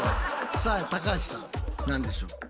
さあ高橋さん何でしょう？